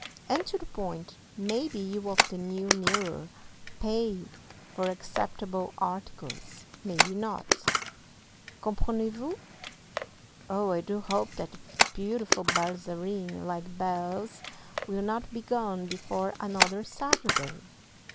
"And to the point. Maybe you of the New Mirror PAY for acceptable articles, maybe not. Comprenez vous? Oh, I do hope that beautiful balzarine like Bel's will not be gone before another Saturday!